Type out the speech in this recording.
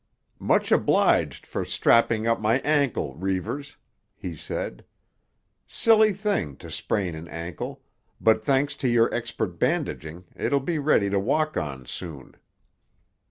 "Much obliged for strapping up my ankle, Reivers," he said. "Silly thing, to sprain an ankle; but thanks to your expert bandaging it'll be ready to walk on soon."